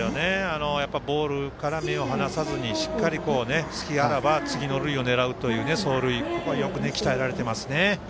ボールから目を離さずにしっかり隙あらば次の塁を狙うという走塁、よく鍛えられていますね。